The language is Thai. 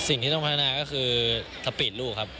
สิ่งที่ต้องพัฒนาก็คือสปีดลูกครับ